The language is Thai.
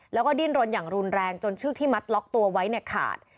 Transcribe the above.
แล้วก็ดิ้นโรนอย่างรุนแรงจนชื่อที่มามัดล๊อคตัวไว้หล็กขาด